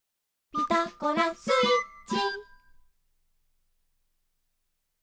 「ピタゴラスイッチ」